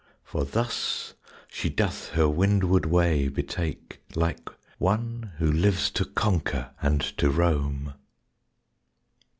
For thus she doth her windward way betake Like one who lives to conquer and to roam.